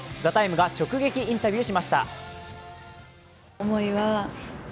「ＴＨＥＴＩＭＥ，」が直撃インタビューをしました。